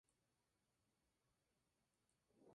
Por eso